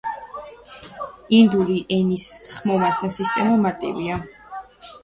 ანდიური ენის ხმოვანთა სისტემა მარტივია.